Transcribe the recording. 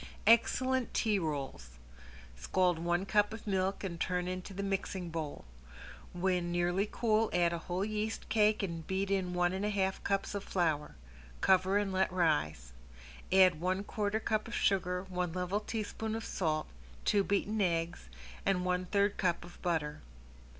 ~EXCELLENT TEA ROLLS~ Scald one cup of milk and turn into the mixing bowl. When nearly cool add a whole yeast cake and beat in one and a half cups of flour. Cover and let rise. Add one quarter cup of sugar, one level teaspoon of salt, two beaten eggs, and one third cup of butter.